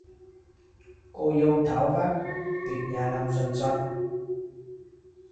Cô dâu tháo vát, việc nhà làm xoành xoạch